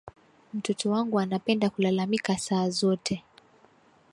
Mtoto wangu anapenda kulalamika saa zote